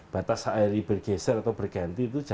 batas sehari bergeser atau bergantung ya